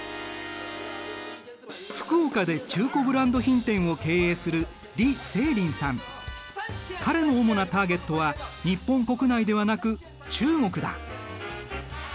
福岡で中古ブランド品店を経営する彼の主なターゲットは日本国内ではなく中国だ。